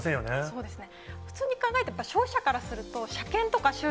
そうですね。